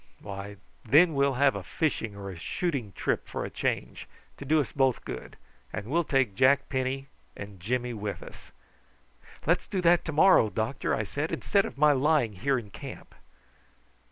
Why, then we'll have a fishing or a shooting trip for a change, to do us both good, and we'll take Jack Penny and Jimmy with us." "Let's do that to morrow, doctor," I said, "instead of my lying here in camp."